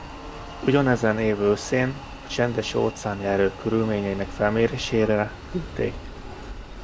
Ugyanezen év őszén a csendes-óceáni erők körülményeinek felmérésére küldték.